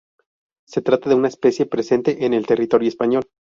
Se trata de una especie presente en el territorio español.